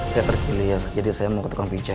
saya tergilir jadi saya mau ke tukang pijat